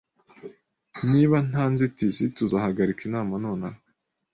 Niba nta nzitizi, tuzahagarika inama nonaha.